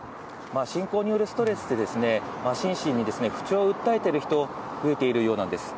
侵攻によるストレスで、心身に不調を訴えている人、増えているようなんです。